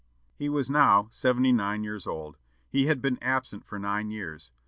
He was now seventy nine years old. He had been absent for nine years.